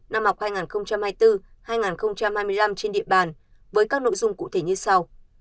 năm học hai nghìn hai mươi bốn hai nghìn hai mươi năm trên địa bàn với các nội dung cụ thể như sau